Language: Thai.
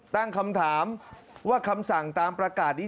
ตั้งคำถามว่าคำสั่งตามประกาศนี้